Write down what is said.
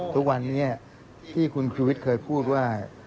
ทุกวันนี้ที่คุณชูวิทย์เคยพูดว่า